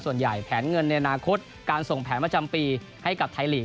แผนเงินในอนาคตการส่งแผนประจำปีให้กับไทยลีก